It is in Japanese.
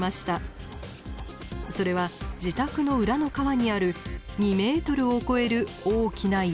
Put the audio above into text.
それは自宅の裏の川にある２ｍを超える大きな岩。